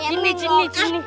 ini sini sini